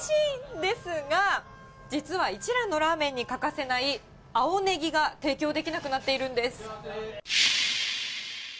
ですが、実は、一蘭のラーメンに欠かせない青ネギが提供できなくなっているんです。